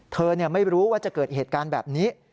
เธอไม่รู้ว่าจะเกิดเหตุการณ์แบบนี้